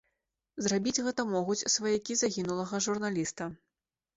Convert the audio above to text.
Зрабіць гэта могуць сваякі загінулага журналіста.